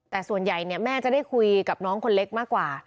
แต่ส่วนใหญ่แม่จะได้คุยกับน้องคนเล็กมากกว่า